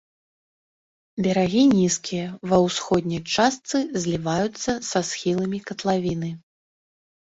Берагі нізкія, ва ўсходняй частцы зліваюцца са схіламі катлавіны.